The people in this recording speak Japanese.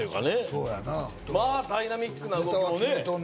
そうやなまあダイナミックな動きもね